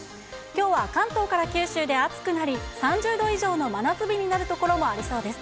きょうは関東から九州で暑くなり、３０度以上の真夏日になる所もありそうです。